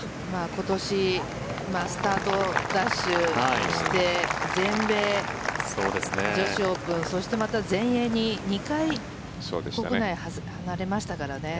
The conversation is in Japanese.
今年スタートダッシュして全米女子オープンそしてまた全英に２回、国内を離れましたからね。